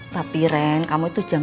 tapi ren kamu itu jaman cap